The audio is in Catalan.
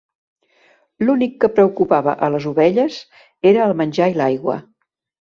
L'únic que preocupava a les ovelles era el menjar i l'aigua.